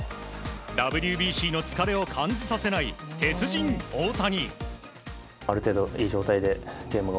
ＷＢＣの疲れを感じさせない鉄人・大谷。